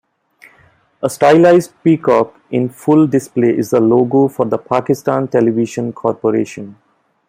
A stylised peacock in full display is the logo for the Pakistan Television Corporation.